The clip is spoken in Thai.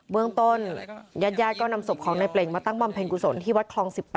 เมืองต้นญาติญาติก็นำศพของนายเปล่งมาตั้งบำเพ็ญกุศลที่วัดคลอง๑๘